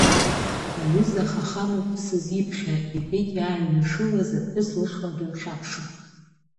Аҩыза Хахамов бсызиԥхьа, — иҳәеит иааҩнашылаз аԥҳәыс лышҟа дынхьаԥшын.